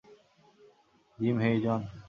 Gym hey, John.